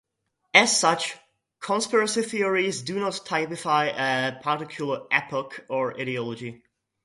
As such, conspiracy theories do not typify a particular epoch or ideology.